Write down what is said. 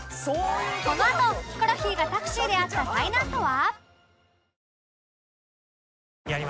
このあとヒコロヒーがタクシーで遭った災難とは？